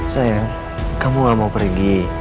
sayang kamu gak mau pergi